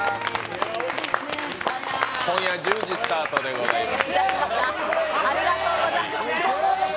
今夜１０時スタートでございます。